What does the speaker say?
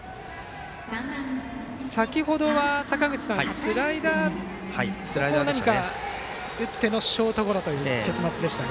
先程は、坂口さんスライダーを打ってのショートゴロという結末でしたが。